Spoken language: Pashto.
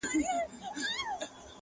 په مایکروفون کي یې ویلی دی -